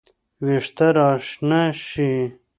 وېښته راشنه شي